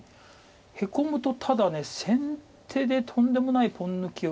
ヘコむとただ先手でとんでもないポン抜きを打って。